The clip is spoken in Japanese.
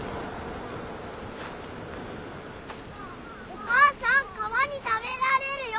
お母さん川に食べられるよ。